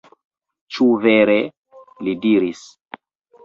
Ĉu vere? li diris.